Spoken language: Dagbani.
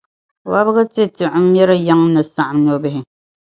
Wubiga te tɛɣu m-mir’ yiŋa ni saɣim nɔbihi.